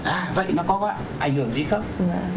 à vậy nó có ảnh hưởng gì không